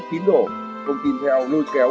tín đổ không tin theo lôi kéo